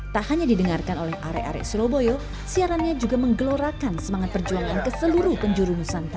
tak hanya didengarkan oleh arek arek surabaya siarannya juga menggelorakan semangat perjuangan ke seluruh penjuru nusantara